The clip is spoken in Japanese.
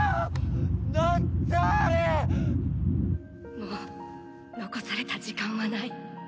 もう残された時間はない。